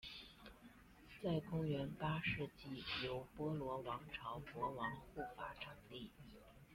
在公元八世纪由波罗王朝国王护法成立。